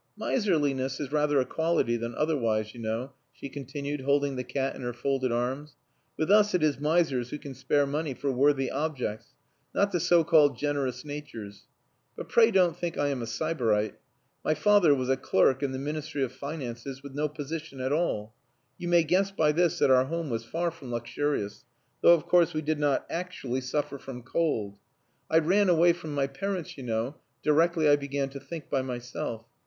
"Miserliness is rather a quality than otherwise, you know," she continued, holding the cat in her folded arms. "With us it is misers who can spare money for worthy objects not the so called generous natures. But pray don't think I am a sybarite. My father was a clerk in the Ministry of Finances with no position at all. You may guess by this that our home was far from luxurious, though of course we did not actually suffer from cold. I ran away from my parents, you know, directly I began to think by myself.